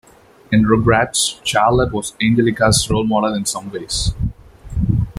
In Rugrats, Charlotte was Angelica's role model in some ways.